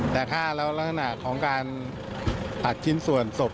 แต่ฆ่าแล้วลักษณะของการตัดชิ้นส่วนศพ